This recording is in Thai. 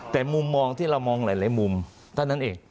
แต่มุมมองที่เรามองหลายมุมเท่านั้นเอง